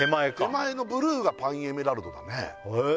手前のブルーがパインエメラルドだねへえ